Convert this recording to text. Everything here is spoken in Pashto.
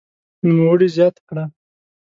نوموړي زياته کړه